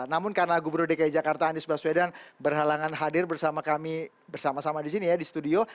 namun karena gubernur dki jakarta andries balsuweda berhalangan hadir bersama kami di studio